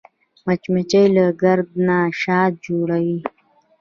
مچمچۍ له ګرده نه شات جوړوي